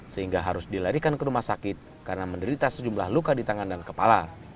sehingga harus dilarikan ke rumah sakit karena menderita sejumlah luka di tangan dan kepala